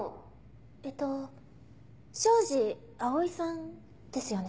えっと庄司蒼さんですよね？